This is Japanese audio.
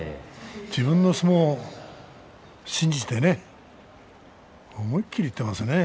自分の相撲を信じてね思い切りいってますね。